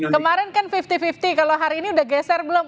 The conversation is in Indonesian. kemarin kan lima puluh lima puluh kalau hari ini udah geser belum